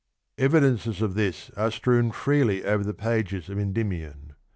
42 Evidences of this are strewn freel) over the pages of EndymioH.